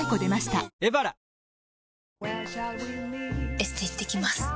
エステ行ってきます。